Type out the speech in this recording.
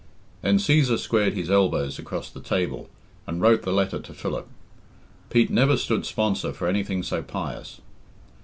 Then Cæsar squared his elbows across the table and wrote the letter to Philip. Pete never stood sponsor for anything so pious.